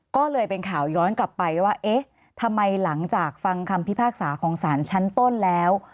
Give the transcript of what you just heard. ก็เลยเป็นข่าวย้อนกลับไปว่าเอ๊ะทำไมหลังจากฟังคำพิพากษาของสารชั้นต้นแล้ว